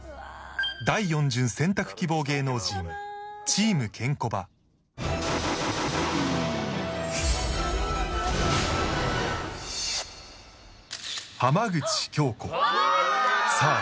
第４巡選択希望芸能人チームケンコバわあ！